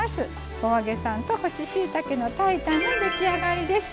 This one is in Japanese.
お揚げさんと干ししいたけの炊いたん出来上がりです。